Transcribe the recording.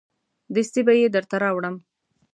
دستي به یې درته راوړم.